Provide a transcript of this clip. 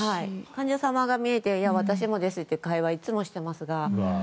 患者様が見えて私もですという会話をいつもしていますが。